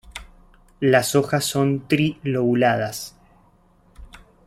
Las hojas son tri-lobuladas.